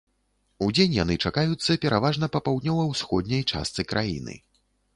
Удзень яны чакаюцца пераважна па паўднёва-ўсходняй частцы краіны.